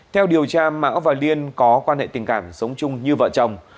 theo điều tra mão và liên có quan hệ tình cảm sống chung như vợ chồng